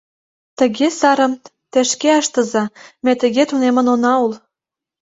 Тыге сарым те шке ыштыза, ме тыге тунемын она ул.